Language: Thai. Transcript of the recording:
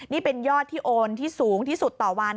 นี่เป็นยอดที่โอนที่สูงที่สุดต่อวัน